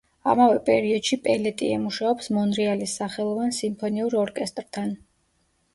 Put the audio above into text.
ამავე პერიოდში პელეტიე მუშაობს მონრეალის სახელოვან სიმფონიურ ორკესტრთან.